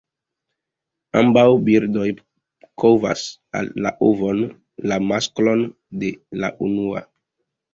Ambaŭ birdoj kovas la ovon; la masklo la unua.